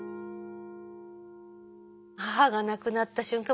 母が亡くなった瞬間